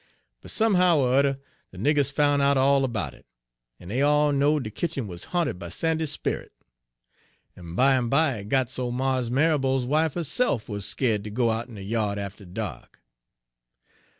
But somehow er 'rudder de niggers foun' out all erbout it, en dey all knowed de kitchen wuz ha'nted by Sandy's sperrit. En bimeby hit got so Mars Marrabo's wife herse'f wuz skeered ter go out in de yard after dark.